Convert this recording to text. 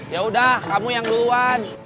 ya udah kamu yang duluan